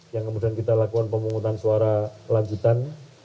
yang kemudian kita lakukan pemungutan suara lanjutan